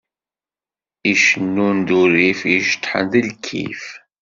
I icennun d urrif, i iceṭṭḥen d lkif.